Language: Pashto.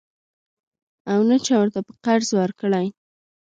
او نه چا ورته په قرض ورکړې.